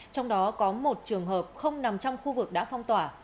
trong đó có một trường hợp không nằm trong khu vực đã phong tỏa